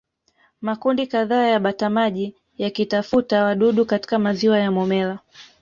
Makundi kadhaa ya batamaji yakitafuta wadudu katika maziwa ya Momella